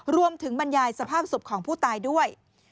รวมถึงบรรยายสภาพสุขของผู้ตายด้วย